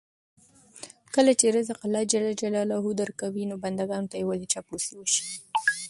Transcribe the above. کله چې رزق الله ج درکوي، نو بندګانو ته یې ولې چاپلوسي وشي.